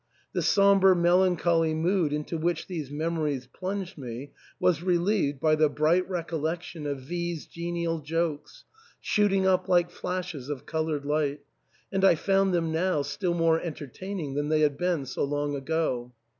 The sombre, melancholy mood into which these memories plunged me was relieved by the bright recollection of V 's genial jokes, shooting up like flashes of coloured light, and I found them now still more entertaining than they had been so long ago.